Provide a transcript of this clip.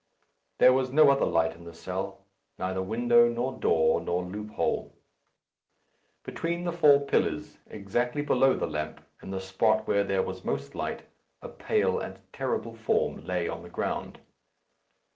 There was no other light in the cell neither window, nor door, nor loophole. Between the four pillars, exactly below the lamp, in the spot where there was most light, a pale and terrible form lay on the ground.